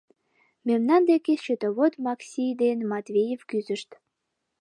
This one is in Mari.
Мемнан деке счетовод Макси ден Матвеев кӱзышт.